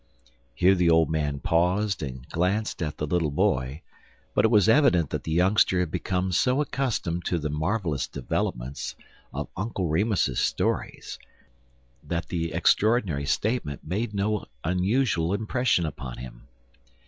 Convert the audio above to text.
Here the old man paused and glanced at the little boy, but it was evident that the youngster had become so accustomed to the marvelous developments of Uncle Remus's stories, that the extraordinary statement made no unusual impression upon him.